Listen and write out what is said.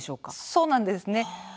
そうなんですね。